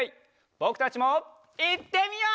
ぼくたちもいってみよう！